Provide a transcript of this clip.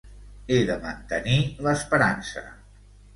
He de mantenir l'esperança.